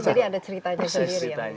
jadi ada ceritanya sendiri